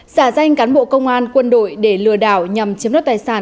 xả danh cán bộ công an quân đội để lừa đảo nhằm chiếm đất tài sản